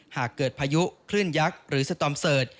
หากเกิดพายุคลื่นยักษ์หรือสตอมเสิร์ช